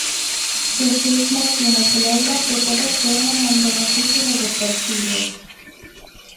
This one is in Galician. Xesús Martínez Loira que todos se unan en beneficio do Deportivo.